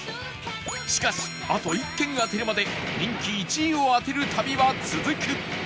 しかしあと１軒当てるまで人気１位を当てる旅は続く